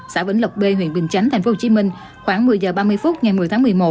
xã vĩnh lộc b huyện bình chánh tp hcm khoảng một mươi h ba mươi phút ngày một mươi tháng một mươi một